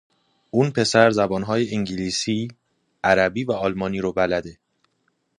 اون پسر زبانهای انگلیسی، عربی و آلمانی رو بلده.